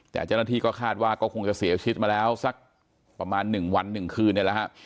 แต่เจ้าหน้าที่ก็คาดว่าก็คงจะเสียชีวิตมาแล้วสักประมาณ๑วัน๑คืนเนี่ยแหละฮะ